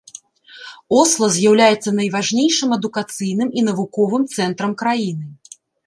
Осла з'яўляецца найважнейшым адукацыйным і навуковым цэнтрам краіны.